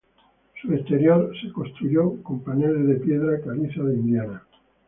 Su exterior se construyó con paneles de piedra caliza de Indiana.